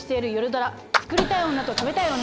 ドラ「作りたい女と食べたい女」。